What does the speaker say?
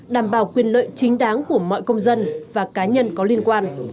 đảm bảo quyền lợi chính đáng của mọi công dân và cá nhân có liên quan